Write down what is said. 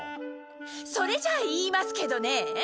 それじゃ言いますけどねえ。